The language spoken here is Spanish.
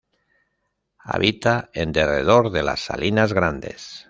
Habita en derredor de las Salinas Grandes.